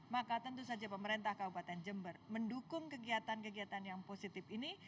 maka tentu saja pemerintah kabupaten jember mendukung kegiatan kegiatan yang positif ini